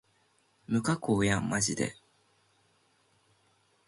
無加工やんまじで